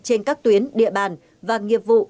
trên các tuyến địa bàn và nghiệp vụ